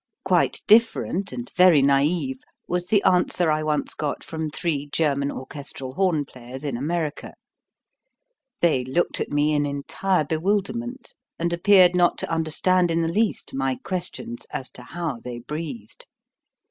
Quite different, and very naive, was the answer I once got from three German orchestral horn players in America. They looked at me in entire be wilderment, and appeared not to understand in the least my questions as to how they breathed.